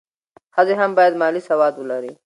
ښځې هم باید مالي سواد ولري.